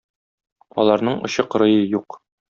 Аларның очы-кырые юк.